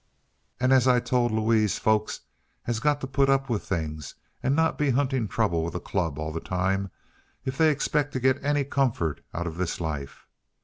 "An' as I told Louise, folks has got t' put up with things an' not be huntin' trouble with a club all the time, if they expect t' git any comfort out uh this life.